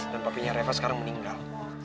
dan papinya reva sekarang meninggal